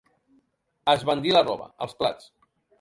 Esbandir la roba, els plats.